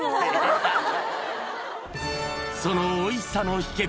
そのおいしさの秘訣